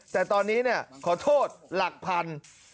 แต่ตอนนี้ขอโทษหลักพัน